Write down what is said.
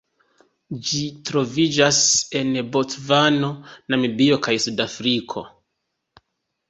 Ĝi troviĝas en Bocvano, Namibio kaj Sudafriko.